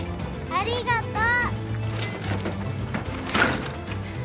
ありがとう。